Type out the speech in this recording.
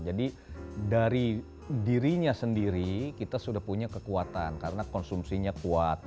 jadi dari dirinya sendiri kita sudah punya kekuatan karena konsumsinya kuat